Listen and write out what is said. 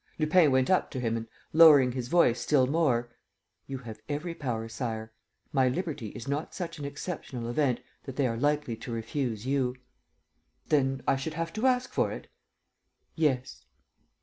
Lupin went up to him and, lowering his voice still more: "You have every power, Sire. ... My liberty is not such an exceptional event that they are likely to refuse you." "Then I should have to ask for it?" "Yes."